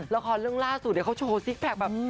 ละครเรื่องล่าสุดเขาโชว์ซิกแพคแบบ